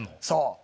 そう。